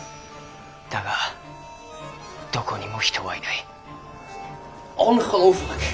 だがどこにも人はいない」。